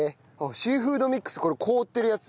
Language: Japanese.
シーフードミックスこれ凍ってるやつ。